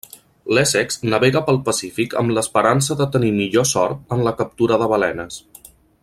L'Essex navega pel Pacífic amb l'esperança de tenir millor sort en la captura de balenes.